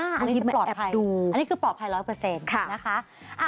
อันนี้ปลอดภัยดูอันนี้คือปลอดภัย๑๐๐นะคะ